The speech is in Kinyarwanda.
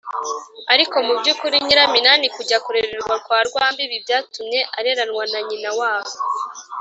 ariko mu by’ukuri nyiraminani kujya kurererwa kwa rwambibi byatumye areranwa na nyina wabo